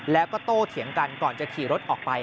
แล้วก็โตเถียงกันก่อนจะขี่รถออกไป